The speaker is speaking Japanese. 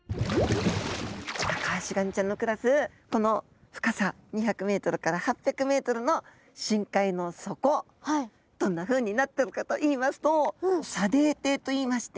タカアシガニちゃんの暮らすこの深さ２００ｍから８００ｍの深海の底どんなふうになってるかといいますと砂泥底といいまして。